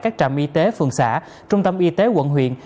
các trạm y tế phường xã trung tâm y tế quận huyện